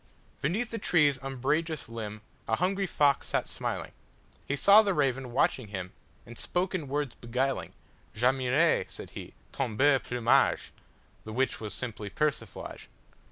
Beneath the tree's umbrageous limbA hungry fox sat smiling; He saw the raven watching him, And spoke in words beguiling:"J' admire," said he, "ton beau plumage,"(The which was simply persiflage).